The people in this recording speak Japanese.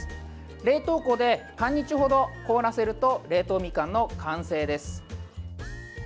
冷凍庫で半日ほど凍らせると冷凍みかんの完成です。